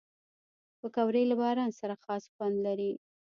پکورې له باران سره خاص خوند لري